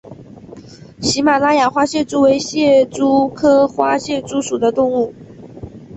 喜马拉雅花蟹蛛为蟹蛛科花蟹蛛属的动物。